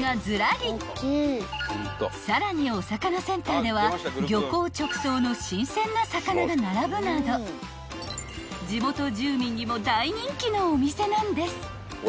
［さらにお魚センターでは漁港直送の新鮮な魚が並ぶなど地元住民にも大人気のお店なんです］